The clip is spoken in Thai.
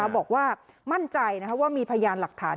บอกว่ามั่นใจว่ามีพยานหลักฐาน